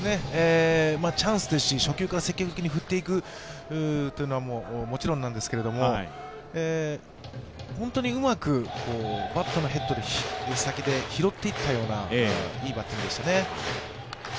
チャンスですし、初球から積極的に振っていくというのはもちろんなんですが、本当にうまくバットのヘッド、へさきで拾って行ったようないいバッティングでしたね。